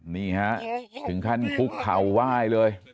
นี้ถึงขั้นกุ้งเขาไหว่เลย